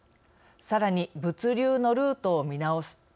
さらに物流のルートを見直す